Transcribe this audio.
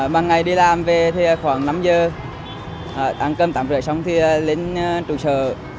bằng ngày đi làm về thì khoảng năm giờ ăn cơm tám giờ rồi xong thì lên trụ sở